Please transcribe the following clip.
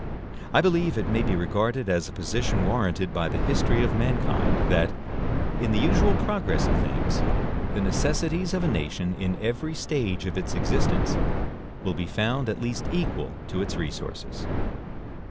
I believe it may be regarded as a position warranted by the history of mankind, that, IN THE USUAL PROGRESS OF THINGS, THE NECESSITIES OF A NATION, IN EVERY STAGE OF ITS EXISTENCE, WILL BE FOUND AT LEAST EQUAL TO ITS RESOURCES.